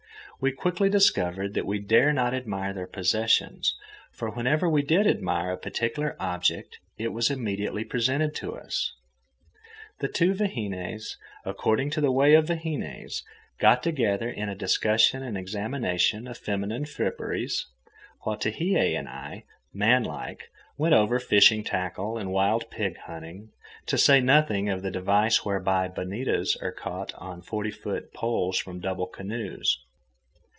We quickly discovered that we dare not admire their possessions, for whenever we did admire a particular object it was immediately presented to us. The two vahines, according to the way of vahines, got together in a discussion and examination of feminine fripperies, while Tehei and I, manlike, went over fishing tackle and wild pig hunting, to say nothing of the device whereby bonitas are caught on forty foot poles from double canoes.